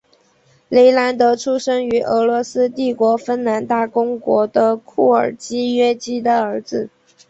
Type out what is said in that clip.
雷兰德出生于俄罗斯帝国芬兰大公国的库尔基约基的儿子。